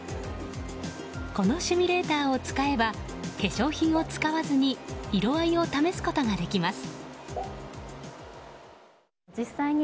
このシミュレーターを使えば化粧品を使わずに色合いを試すことができます。